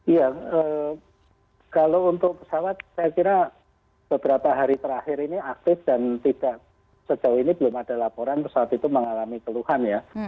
iya kalau untuk pesawat saya kira beberapa hari terakhir ini aktif dan tidak sejauh ini belum ada laporan pesawat itu mengalami keluhan ya